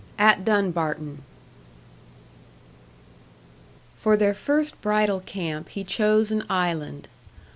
AT DUNBARTON For their first bridal camp he chose an island.